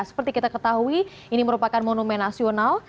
seperti kita ketahui ini merupakan monumen nasional